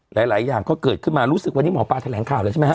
หลายอย่างก็เกิดขึ้นมารู้สึกวันนี้หมอปลาแถลงข่าวแล้วใช่ไหมฮ